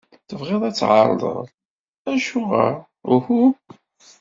Tebɣid ad tɛerḍed? Acuɣer uhu?